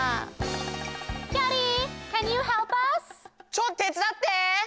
・ちょっと手つだって！